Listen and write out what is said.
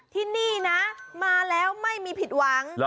ที่นี่นะมาแล้วไม่มีผิดหวัง